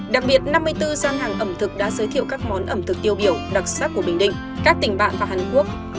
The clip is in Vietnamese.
đặc biệt năm mươi bốn gian hàng ẩm thực đã giới thiệu các món ẩm thực tiêu biểu đặc sắc của bình định các tỉnh bạn và hàn quốc